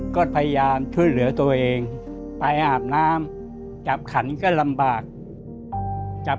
ก็พยายามช่วยเหลือตัวเองไปอาบน้ำจับขันก็ลำบากจับ